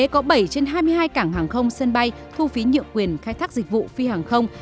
hai mươi hai cảng hàng không sân bay thu phí nhượng quyền khai thác dịch vụ phi hàng không